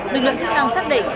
lực lượng chức năng xác định